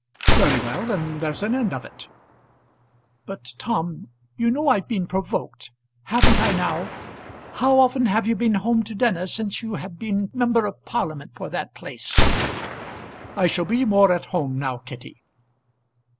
"Very well. Then there's an end of it." "But Tom; you know I've been provoked. Haven't I now? How often have you been home to dinner since you have been member of parliament for that place?" "I shall be more at home now, Kitty."